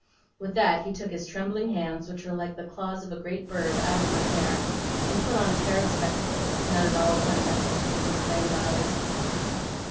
With that he took his trembling hands, which were like the claws of a great bird, out of my hair; and put on a pair of spectacles, not at all ornamental to his inflamed eyes.